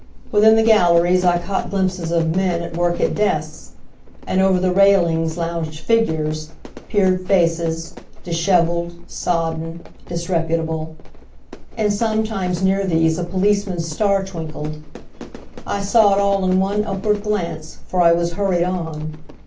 Within the galleries I caught glimpses of men at work at desks; and over the railings lounged figures, peered faces, disheveled, sodden, disreputable; and sometimes near these a policeman's star twinkled. I saw it all in one upward glance, for I was hurried on.